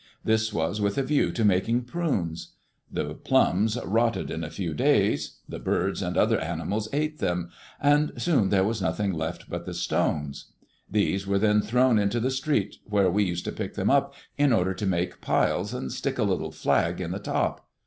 This was with a view to making prunes. The plums rotted in a few days; the birds and other animals ate them; and soon there was nothing left but the stones. These were then thrown into the street, where we used to pick them up, in order to make piles and stick a little flag in the top.